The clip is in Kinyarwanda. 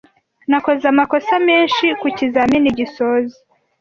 Nakoze amakosa menshi kukizamini gisoza.